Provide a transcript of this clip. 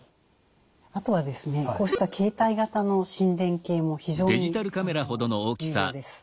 あとはですねこうした携帯型の心電計も非常に有用です。